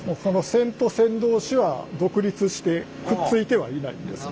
線と線同士は独立してくっついてはいないんです。